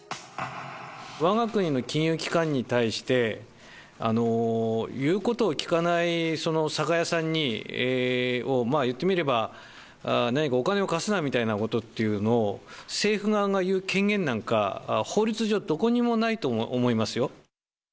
わが国の金融機関に対して、言うことを聞かない酒屋さんに、言ってみれば、何かお金を貸すなみたいなことっていうのを、政府側が言う権限なんか、法律上どこにもないと思いますよ。